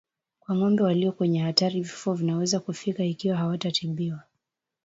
Kwa ng'ombe walio kwenye hatari vifo vinaweza kufika ikiwa hawatatibiwa